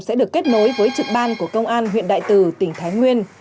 sẽ được kết nối với trực ban của công an huyện đại từ tỉnh thái nguyên